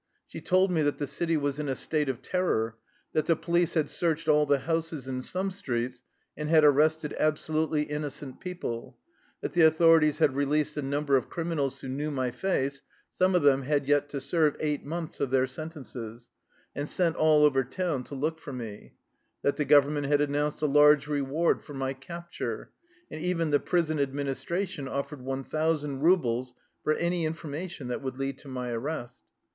She told me that the city was in a state of ter ror; that the police had searched all the houses in some streets and had arrested absolutely in nocent people; that the authorities had released a number of criminals who knew my face — some of them had yet to serve eight months of their sentences — and sent all over town to look for me; that the government had announced a large reward for my capture, and even the prison administration offered 1,000 rubles for any information that would lead to my arrest.